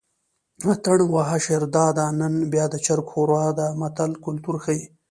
اتڼ وهه شیرداده نن بیا د چرګ ښوروا ده متل کولتور ښيي